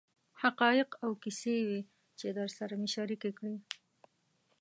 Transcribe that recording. حقایق او کیسې وې چې درسره مې شریکې کړې.